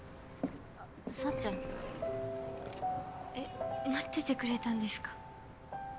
幸ちゃん。え待っててくれたんですか？